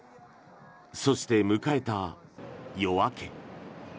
そして迎えた夜明け。